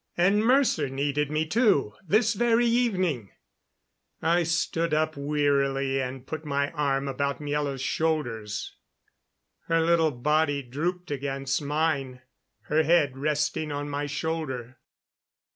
And Mercer needed me, too, this very evening. I stood up wearily and put my arm about Miela's shoulders. Her little body drooped against mine, her head resting on my shoulder.